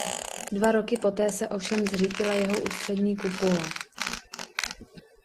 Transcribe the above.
Dva roky poté se ovšem zřítila jeho ústřední kupole.